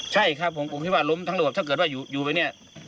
ใช่ครับผมผมคิดว่าล้มถ้าเกิดอยู่ไปเนี่ย